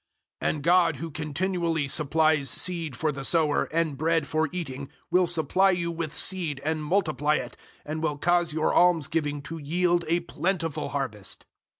009:010 And God who continually supplies seed for the sower and bread for eating, will supply you with seed and multiply it, and will cause your almsgiving to yield a plentiful harvest.